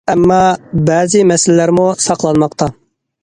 ئەمما، بەزى مەسىلىلەرمۇ ساقلانماقتا.